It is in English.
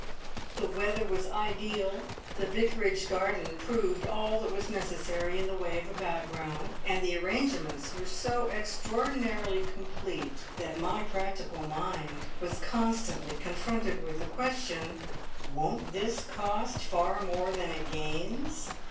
The weather was ideal; the vicarage garden proved all that was necessary in the way of a background, and the arrangements were so extraordinarily complete that my practical mind was constantly confronted with the question, "Won't this cost far more than it gains?"